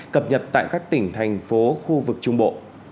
cập nhật tại các tỉnh thành phố khu vực trung bộ